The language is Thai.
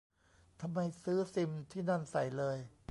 ทำไมซื้อซิมที่นั่นใส่เลย